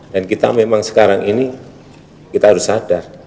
dan kita memang sekarang ini kita harus sadar